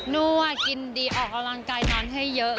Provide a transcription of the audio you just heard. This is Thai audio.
นั่วกินดีออกกำลังกายนอนให้เยอะ